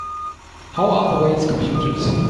How are the weights computed?